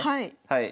はい。